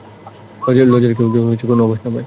লজের কেউ যেন কোনও আভাস না পায়।